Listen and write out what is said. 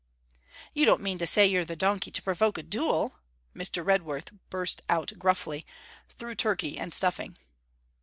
'You don't mean to say you're the donkey to provoke a duel!' Mr. Redworth burst out gruffly, through turkey and stuffing.